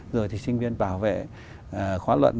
rồi thì sinh viên bảo vệ khóa luận